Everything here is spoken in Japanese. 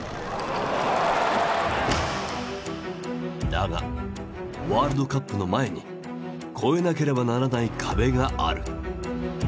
だがワールドカップの前に越えなければならない壁がある。